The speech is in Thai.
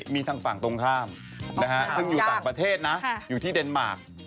มีทางฝั่งตรงข้ามซึ่งอยู่ต่างประเทศนะอยู่ที่เดนมาร์ค